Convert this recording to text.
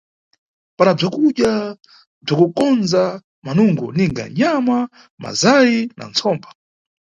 Pana bzakudya bza kukondza manungo, ninga nyama, mazayi na ntsomba.